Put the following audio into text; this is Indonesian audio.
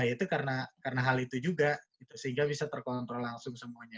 ya itu karena hal itu juga sehingga bisa terkontrol langsung semuanya